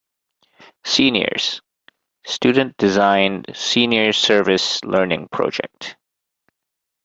Seniors: Student designed Senior Service Learning Project.